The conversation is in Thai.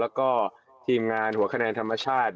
แล้วก็ทีมงานหัวคะแนนธรรมชาติ